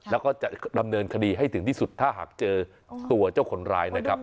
แล้วก็จะดำเนินคดีให้ถึงที่สุดถ้าหากเจอตัวเจ้าคนร้ายนะครับ